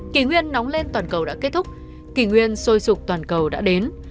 kỷ nguyên nóng lên toàn cầu đã kết thúc kỷ nguyên sôi sụp toàn cầu đã đến